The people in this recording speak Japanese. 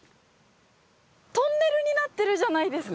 トンネルになってるじゃないですか！